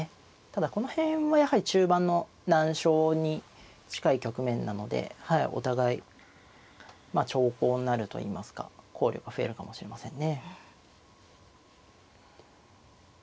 ただこの辺はやはり中盤の難所に近い局面なのでお互いまあ長考になるといいますか考慮が増えるかもしれませんね。